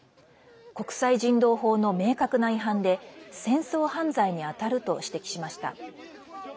国際人道法の明確な違反で戦争犯罪にあたると指摘しました。